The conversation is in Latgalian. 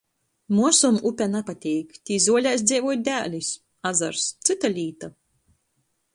Muosom upe napateik — tī zuolēs dzeivoj dēlis. Azars — cyta līta.